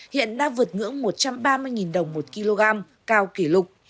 hiện đã vượt ngưỡng một trăm ba mươi đồng một kg cao kỷ lục